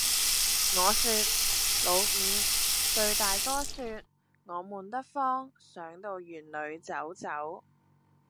我説「老五，對大哥説，我悶得慌，想到園裏走走。」